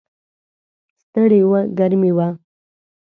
ستړي و، ګرمي وه.